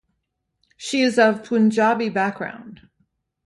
She is of Punjabi background.